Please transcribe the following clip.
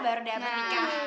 baru deh abah nikah